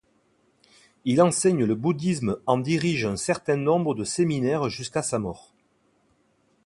Il enseigne le bouddhisme en dirige un certain nombre de séminaires jusqu'à sa mort.